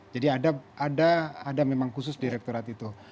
jadi ada memang khusus direkturat itu